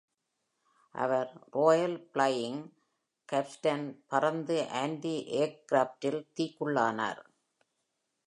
அவர் Royal Flying கார்ப்ஸுடன் பறந்து ஆன்டி-ஏர்கிராப்ட்டில் தீக்குள்ளானார்.